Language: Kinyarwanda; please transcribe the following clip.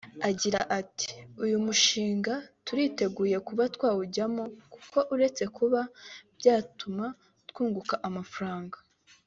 Agira ati “Uyu mushinga turiteguye kuba twawujyamo kuko uretse kuba byatuma twunguka amafaranga